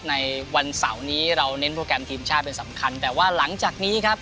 ในวันเสาร์นี้เราเน้นโปรแกรมทีมชาติเป็นสำคัญแต่ว่าหลังจากนี้ครับ